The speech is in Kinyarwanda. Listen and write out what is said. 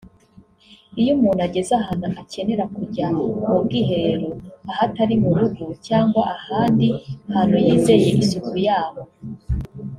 Iyo umuntu ageze ahantu akenera kujya mu bwiherero ahatari mu rugo cyangwa ahandi hantu yizeye isuku yaho